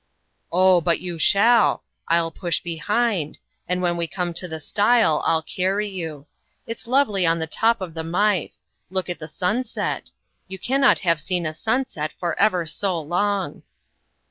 "Oh! but you shall! I'll push behind; and when we come to the stile I'll carry you. It's lovely on the top of the Mythe look at the sunset. You cannot have seen a sunset for ever so long."